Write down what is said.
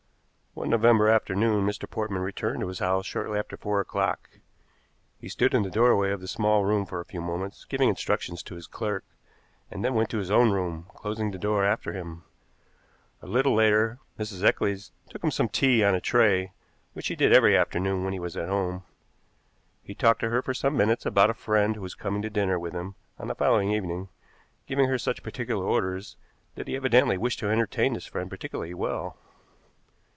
One November afternoon Mr. Portman returned to his house shortly after four o'clock. He stood in the doorway of the small room for a few moments, giving instructions to his clerk, and then went to his own room, closing the door after him. A little later Mrs. Eccles took him some tea on a tray, which she did every afternoon when he was at home. He talked to her for some minutes about a friend who was coming to dinner with him on the following evening, giving her such particular orders that he evidently wished to entertain this friend particularly well.